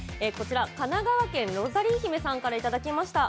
神奈川県のロザリー姫さんからいただきました。